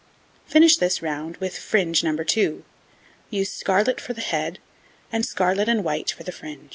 Finish this round with fringe No. 2; use scarlet for the head, and scarlet and white for the fringe.